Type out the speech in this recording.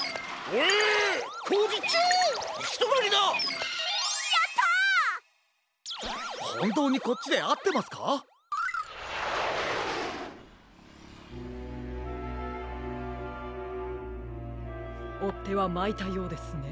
おってはまいたようですね。